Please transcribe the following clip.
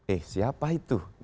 eh siapa itu